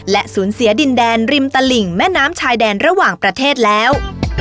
และสูญเสียดินแดนริมตลิ่งแม่น้ำชายแดนระหว่างประเทศแล้ว